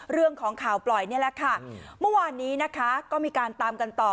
เรื่องของข่าวปล่อยนี่แหละค่ะเมื่อวานนี้นะคะก็มีการตามกันต่อ